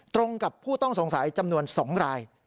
ตรงกับผู้ต้องสงสัยจำนวน๒ราย